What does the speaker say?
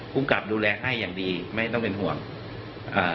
ภูมิกับดูแลให้อย่างดีไม่ต้องเป็นห่วงอ่า